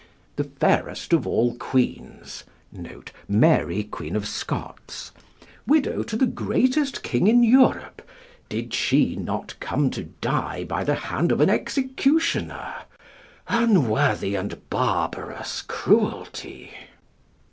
The fairest of all queens, [Mary, Queen of Scots.] widow to the greatest king in Europe, did she not come to die by the hand of an executioner? Unworthy and barbarous cruelty!